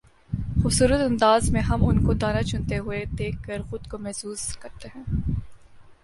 خوبصورت انداز میں ہم ان کو دانہ چنتے ہوئے دیکھ کر خود کو محظوظ کرتے ہیں